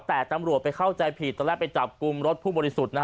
แต่ตำรวจไปเข้าใจผิดตอนแรกไปจับกลุ่มรถผู้บริสุทธิ์